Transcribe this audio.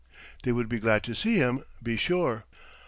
They would be glad to see him, be sure.